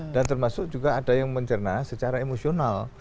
dan termasuk juga ada yang mencerna secara emosional